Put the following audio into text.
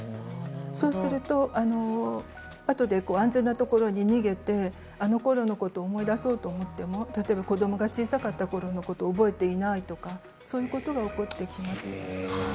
そうすると、あとで安全なところに逃げてあのころのことを思い出そうと思っても、例えば子どもが小さかったころを覚えていないとかそういうことが起こってきます。